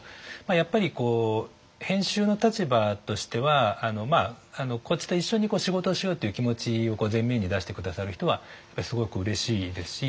やっぱり編集の立場としてはこっちと一緒に仕事をしようっていう気持ちを前面に出して下さる人はすごくうれしいですし。